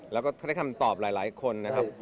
แล้วก็ได้คำตอบหลายคนนะครับ